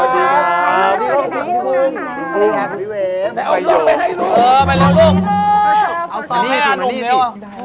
ลูกมาแล้ว